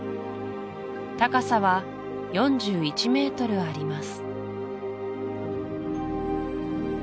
高さは４１メートルあります